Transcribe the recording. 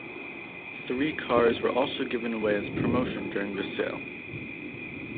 Three cars were also given away as promotion during the sale.